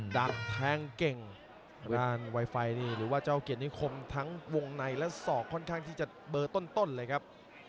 ดักแทงเก่งด้านไวไฟนี่หรือว่าเจ้าเกียรตินิคมทั้งวงในและศอกค่อนข้างที่จะเบอร์ต้นเลยครับ